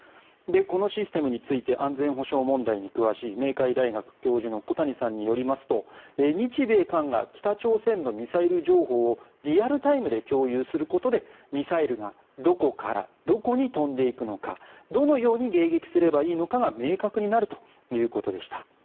このシステムについて安全保障問題に詳しい明海大学教授の小谷さんによりますと日米韓が北朝鮮のミサイル情報をリアルタイムで共有することでミサイルがどこからどこに飛んでいくのかどのように迎撃すればいいのかが明確になるということでした。